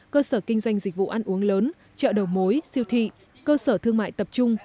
cơ sở kinh doanh dịch vụ ăn uống lớn chợ đầu mối siêu thị cơ sở thương mại tập trung